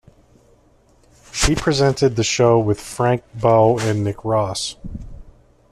She presented the show with Frank Bough and Nick Ross.